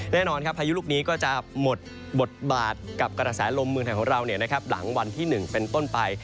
แน่นอนครับพายุลูกนี้ก็จะหมดบทบาทกับกระแสลมเมืองไทยของเราหลังวันที่๑เป็นต้นไป